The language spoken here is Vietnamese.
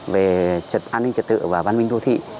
về trật an ninh trật tự và văn minh đô thị